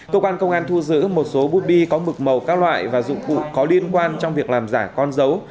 cơ quan công an thu giữ một số bút bi có mực màu các loại và dụng cụ có liên quan trong việc làm giả con dấu